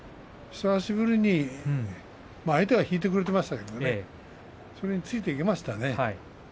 久しぶりにね相手が引いてくれましたけどそれについていけましたね。